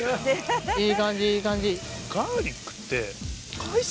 いい感じいい感じ。